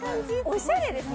おしゃれです